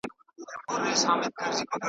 که دي چیري په هنیداره کي سړی وو تېرایستلی .